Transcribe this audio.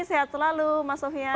sehat selalu mas sofyan